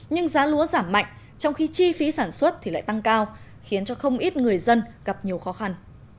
nhưng giá lúa giảm mạnh trong khi chi phí sản xuất thì lại tăng cao khiến cho không ít người dân gặp nhiều khó khăn